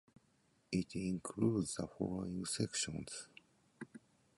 It includes the following sections.